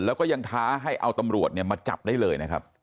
แล้วก็ยังท้าให้เอาตำรวจมาจับได้เลยนะครับ